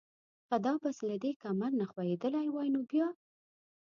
که دا بس له دې کمر نه ښویېدلی وای نو بیا؟